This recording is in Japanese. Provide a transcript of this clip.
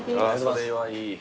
それはいい。